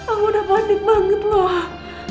oh udah panik banget loh